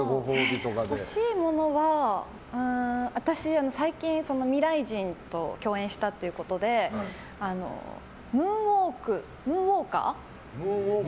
欲しいものは私、最近未来人と共演したということでムーンウォーカー？